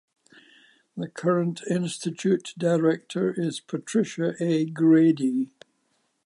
The current Institute Director is Patricia A. Grady.